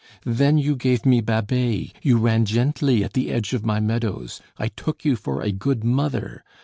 Then you gave me Babet, you ran gently at the edge of my meadows. I took you for a good mother.